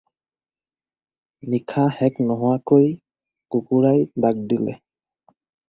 নিশা শেষ নোহোৱাকৈ কুকুৰাই ডাক দিলে।